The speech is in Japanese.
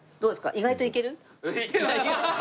意外といける？